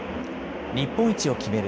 日本一を決める